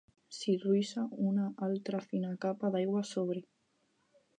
S'hi ruixa una altra fina capa d'aigua a sobre.